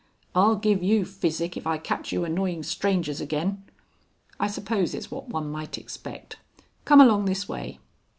(I'll give you physic if I catch you annoying strangers again.) ... I suppose it's what one might expect.... Come along this way."